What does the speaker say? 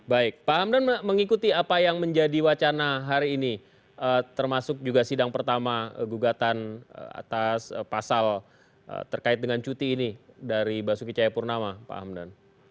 baik pak hamdan mengikuti apa yang menjadi wacana hari ini termasuk juga sidang pertama gugatan atas pasal terkait dengan cuti ini dari basuki cahayapurnama pak hamdan